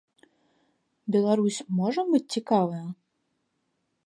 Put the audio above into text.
Беларусь можа быць цікавая?